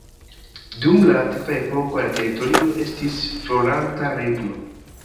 Dum la antikva epoko la teritorio estis floranta regno.